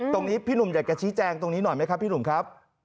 พี่หนุ่มอยากจะชี้แจงตรงนี้หน่อยไหมครับพี่หนุ่มครับ